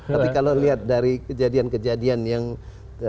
tapi kalau lihat dari kejadian kejadian yang terjadi